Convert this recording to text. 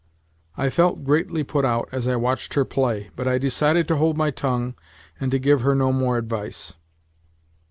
I felt greatly put out as I watched her play, but I decided to hold my tongue, and to give her no more advice.